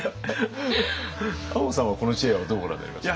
亞門さんはこの知恵はどうご覧になりました？